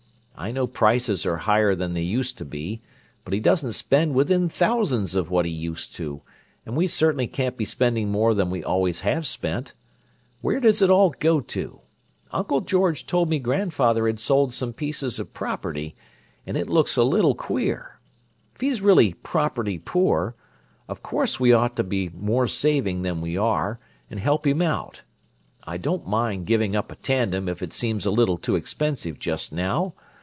I know prices are higher than they used to be, but he doesn't spend within thousands of what he used to, and we certainly can't be spending more than we always have spent. Where does it all go to? Uncle George told me grandfather had sold some pieces of property, and it looks a little queer. If he's really 'property poor,' of course we ought to be more saving than we are, and help him out. I don't mind giving up a tandem if it seems a little too expensive just now.